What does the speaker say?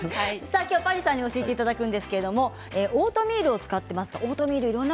今日、巴里さんに教えていただくんですけれどもオートミールを使っています。